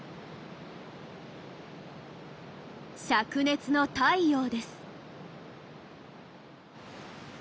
しゃく熱の太陽です。